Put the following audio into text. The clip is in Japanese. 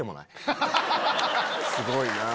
すごいな。